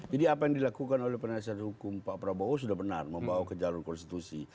jadi apa yang dilakukan oleh penasehat hukum pak prabowo sudah benar membawa ke jalur konstitusi